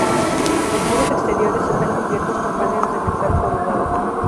Los muros exteriores están cubiertos con paneles de metal corrugado.